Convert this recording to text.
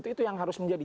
itu yang harus menjadi